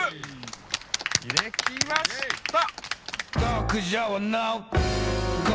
できました。